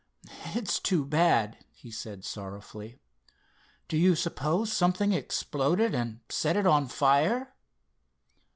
"It's too bad," he said sorrowfully. "Do you suppose something exploded and set it on fire?"